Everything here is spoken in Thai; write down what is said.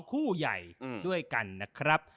คู่ใหญ่ด้วยกันนะครับ